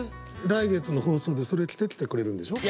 来月の放送でそれ着てきてくれるんでしょ？